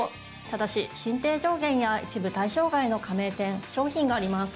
ただし進呈上限や一部対象外の加盟店商品があります。